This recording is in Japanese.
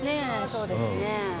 そうですね。